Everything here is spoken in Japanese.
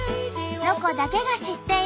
「ロコだけが知っている」。